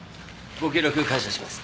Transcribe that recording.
ご協力感謝します。